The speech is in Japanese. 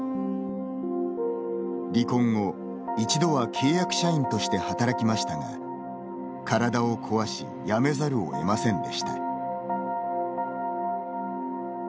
離婚後、一度は契約社員として働きましたが、体を壊し辞めざるを得ませんでした。